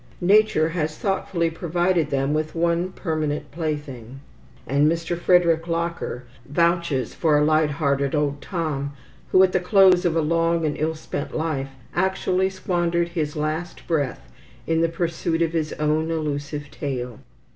Nature has thoughtfully provided them with one permanent plaything; and Mr. Frederick Locker vouches for a light hearted old Tom who, at the close of a long and ill spent life, actually squandered his last breath in the pursuit of his own elusive tail.